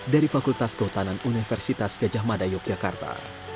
dari fakultas kehutanan universitas gejah mada yogyakarta